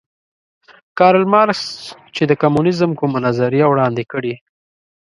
کارل مارکس چې د کمونیزم کومه نظریه وړاندې کړې